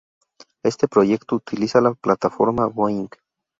Este proyecto utiliza la plataforma Boinc.